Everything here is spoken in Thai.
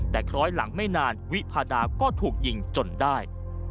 แต่คล้อยหลังไม่นานวิพาดาก็ถูกยิงจนได้